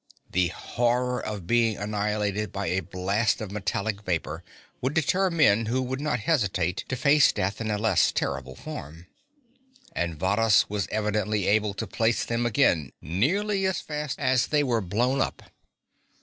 The horror of being annihilated by a blast of metallic vapor would deter men who would not hesitate to face death in a less terrible form. And Varrhus was evidently able to place them again nearly as fast as they were blown up.